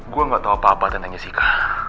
gue gak tau apa apa tentang jessica